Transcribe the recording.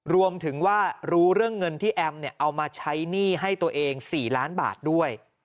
รวมถึงว่ารู้เรื่องเงินที่แอมเอามาใช้หนี้ให้ตัวเอง๔ล้านบาทด้วย